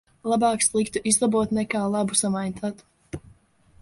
Labāk sliktu izlabot nekā labu samaitāt.